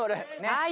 はい。